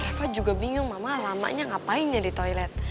reva juga bingung mama lamanya ngapainnya di toilet